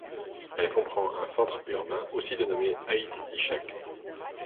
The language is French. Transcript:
Elle comprend un centre urbain aussi dénommé Aït Ishaq.